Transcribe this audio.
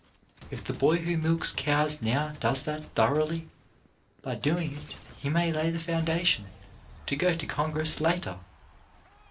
If the boy who milks cows now does that thoroughly, by doing it he may lay the foundation to go to Congress later.